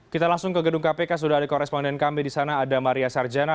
kita langsung ke gedung kpk sudah ada koresponden kami di sana ada maria sarjana